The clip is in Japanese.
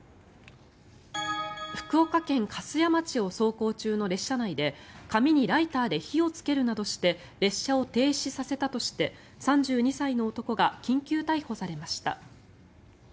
福岡県粕屋町を走行中の列車内で紙にライターで火をつけるなどして列車を停止させたとして３２歳の男が緊急逮捕されました。